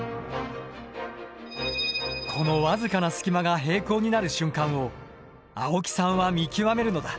この僅かな隙間が平行になる瞬間を青木さんは見極めるのだ。